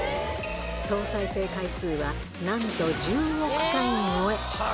総再生回数はなんと１０億回超え。